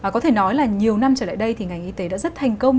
có thể nói là nhiều năm trở lại đây thì ngành y tế đã rất thành công